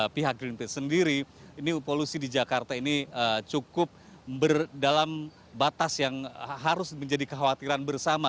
pihak greenpeace sendiri ini polusi di jakarta ini cukup dalam batas yang harus menjadi kekhawatiran bersama